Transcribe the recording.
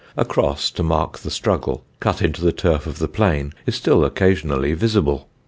A cross to mark the struggle, cut into the turf of the Plain, is still occasionally visible.